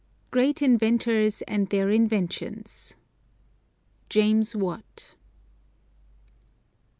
] GREAT INVENTORS AND THEIR INVENTIONS. JAMES WATT.